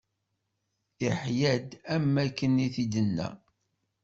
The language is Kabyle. Iḥya-d, am wakken i t-id-inna.